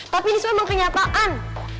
tapi ini semua emang kenyataan